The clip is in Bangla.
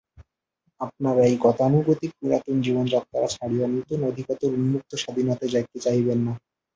আপনারা এই গতানুগতিক পুরাতন জীবনযাত্রা ছাড়িয়া নূতন অধিকতর উন্মুক্ত স্বাধীনতায় যাইতে চাহিবেন না।